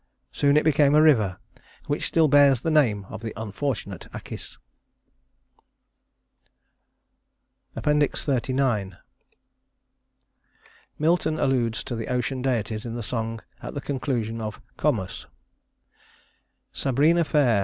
Soon it became a river which still bears the name of the unfortunate Acis. XXXIX Milton alludes to the ocean deities in the song at the conclusion of "Comus." "Sabrina fair